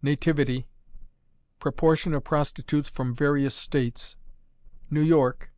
Nativity. Proportion of Prostitutes from various States. New York.